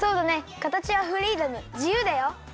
かたちはフリーダムじゆうだよ！